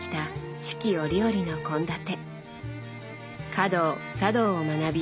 華道茶道を学び